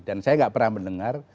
dan saya tidak pernah mendengar